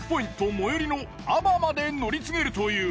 最寄りの阿波まで乗り継げるという。